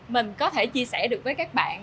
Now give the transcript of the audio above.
mình có thể chia sẻ được với các bạn